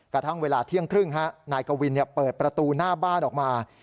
กระทั่งเวลาเที่ยงครึ่งนายกวินเปิดประตูหน้าบ้านออกมา